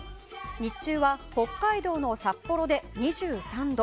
日中は北海道の札幌で２３度。